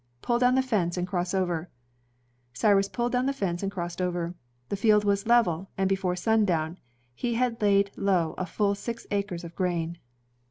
Pull down the fence and cross over." Cyrus pulled down the fence and crossed over. The field was level, and before sundown he had laid low a full six acres of grain.